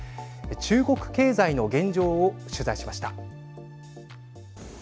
中国経済の現状を取材しました。